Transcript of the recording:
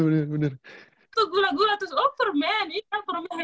itu gula gula terus oh permen iya permen